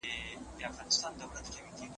سپین سرې وویل چې کورنۍ به پیاوړې شي.